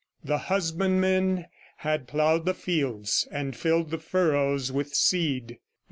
The husbandmen had ploughed the fields and filled the furrows with seed.